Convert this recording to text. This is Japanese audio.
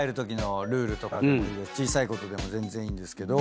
小さいことでも全然いいんですけど。